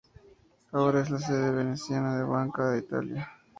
Ahora es la sede veneciana de la Banca d'Italia.